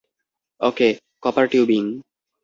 Okay, copper tubing.